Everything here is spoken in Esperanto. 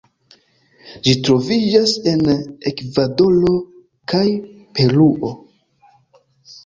Ĝi troviĝas en Ekvadoro kaj Peruo.